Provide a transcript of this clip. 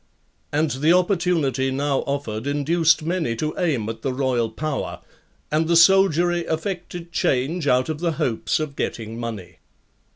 And the opportunity now offered induced many to aim at the royal power; and the soldiery affected change, out of the hopes of getting money.